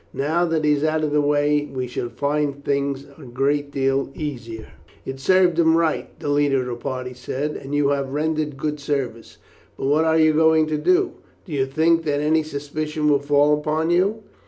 Now that he is out of the way we shall find things a great deal easier." "It served him right," the leader of the party said, "and you have rendered good service; but what are you going to do? Do you think that any suspicion will fall upon you?"